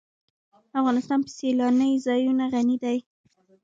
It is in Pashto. افغانستان په سیلانی ځایونه غني دی.